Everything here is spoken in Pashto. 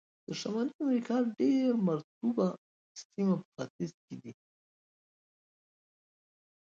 د شمالي امریکا ډېر مرطوبو سیمې په ختیځ کې دي.